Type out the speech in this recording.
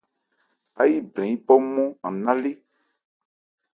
Áyí brɛn yípɔ nmɔ́n an ná lé.